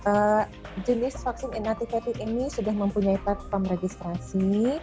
seperti apa vaksinnya nantinya kemudian yang kedua jenis vaksin inactivated ini sudah mempunyai platform registrasi